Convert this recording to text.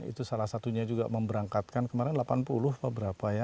itu salah satunya juga memberangkatkan kemarin delapan puluh kok berapa ya